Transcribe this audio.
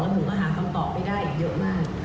ผมก็หาคำตอบไม่ได้อีกเยอะมาก